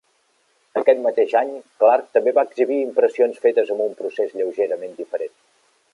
Aquest mateix any Clark també va exhibir impressions fetes amb un procés lleugerament diferent.